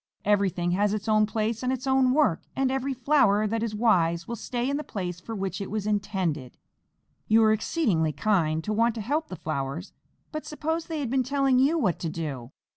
Everything has its own place and its own work, and every flower that is wise will stay in the place for which it was intended. You were exceedingly kind to want to help the flowers, but suppose they had been telling you what to do.